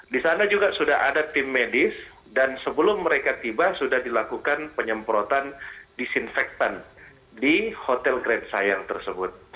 di sana juga sudah ada tim medis dan sebelum mereka tiba sudah dilakukan penyemprotan disinfektan di hotel grand sayang tersebut